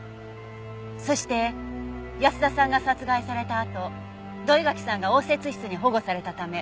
そして保田さんが殺害されたあと土居垣さんが応接室に保護されたため。